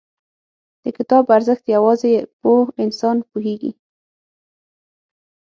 • د کتاب ارزښت، یوازې پوه انسان پوهېږي.